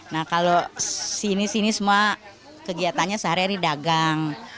nah kalau sini sini semua kegiatannya sehari hari dagang